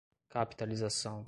Capitalização